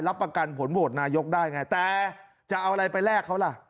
รับประกันผลโหวตนายกได้ไงแต่จะเอาอะไรไปแลกเขาล่ะ